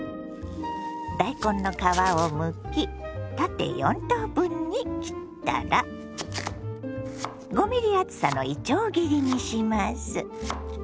大根の皮をむき縦４等分に切ったら５ｍｍ厚さのいちょう切りにします。